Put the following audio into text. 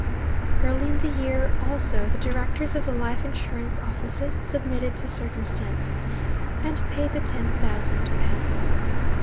Early in the year, also, the Directors of the life insurance offices submitted to circumstances, and paid the ten thousand pounds.